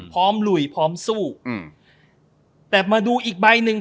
พร้อมลุยพร้อมสู้แต่มาดูอีกใบหนึ่ง